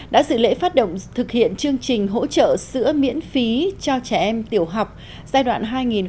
đã dự lễ phát động thực hiện chương trình hỗ trợ sữa miễn phí cho trẻ em tiểu học giai đoạn hai nghìn một mươi chín hai nghìn hai mươi năm